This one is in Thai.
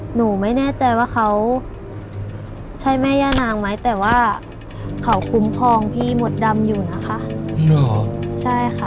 หนูไม่แน่ใจว่าเขาใช่แม่ย่านางไหมแต่ว่าเขาคุ้มครองพี่มดดำอยู่นะคะหรอใช่ค่ะ